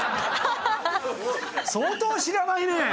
相当知らないね。